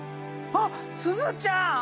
あっすずちゃん！